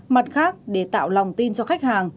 mặt khác để tạo lòng tin cho khách hàng